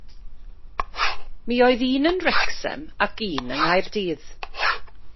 Mi oedd un yn Wrecsam ac un yng Nghaerdydd.